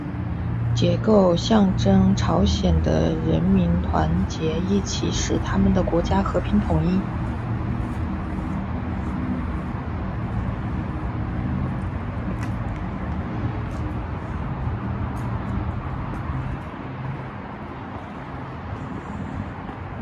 你不借我们钱的话